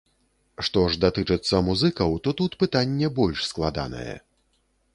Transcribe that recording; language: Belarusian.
Што ж датычыцца музыкаў, то тут пытанне больш складанае.